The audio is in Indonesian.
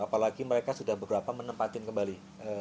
apalagi mereka sudah beberapa menempatin kembali